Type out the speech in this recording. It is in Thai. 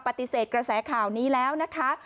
ปฏิเสธกระแสข่าวนี้แล้วนะคะ